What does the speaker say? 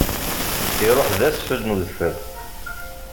Iruḥ d asfel n udfel.